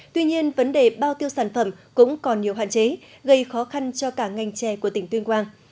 tuy nhiên vấn đề bao tiêu sản phẩm cũng còn nhiều hạn chế gây khó khăn cho cả ngành chè của tỉnh tuyên quang